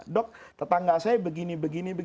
dok tetangga saya begini begini